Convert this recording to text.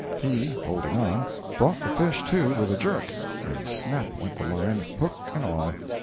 He, holding on, brought the fish to with a jerk, and snap went the line, hook and all.